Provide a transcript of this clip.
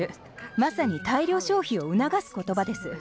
まさに大量消費を促す言葉です。